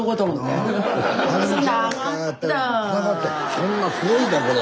そんなすごいなこれ。